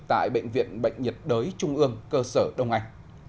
tại bệnh viện bệnh nhiệt đới trung ương cơ sở đông anh